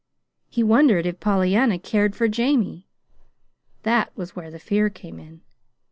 He wondered if Pollyanna cared for Jamie; that was where the fear came in.